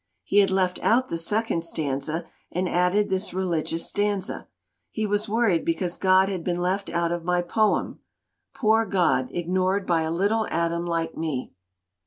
He had left out the second stanza, and added this religious stanza. He was worried because God had been left out of my poem poor God, ignored by a little atom like me!